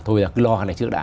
thôi là cứ lo cái này trước đã